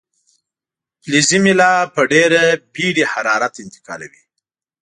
فلزي میله په ډیره بیړې حرارت انتقالوي.